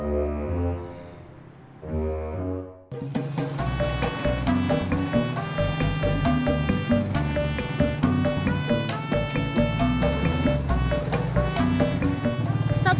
udah bayarnya satu setengah